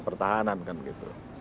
departemen pertahanan kan gitu